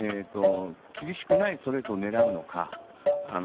厳しくないストレートを狙うのか。